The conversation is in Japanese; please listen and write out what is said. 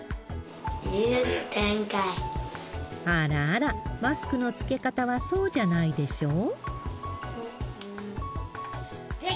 あらあら、マスクの着け方はそうじゃないでしょう？